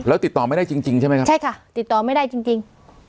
แล้วติดต่อไม่ได้จริงจริงใช่ไหมครับใช่ค่ะติดต่อไม่ได้จริงจริง